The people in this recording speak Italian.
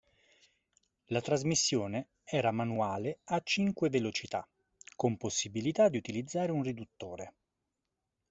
La trasmissione era manuale a cinque velocità, con possibilità di utilizzare un riduttore.